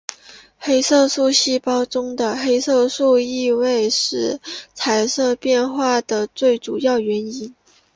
黑色素细胞中的黑色素易位是色彩改变的最主要原因。